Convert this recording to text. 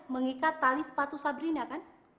mengikat tali sepatu sabrina kan